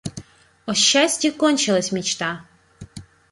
О счастьи кончилась мечта.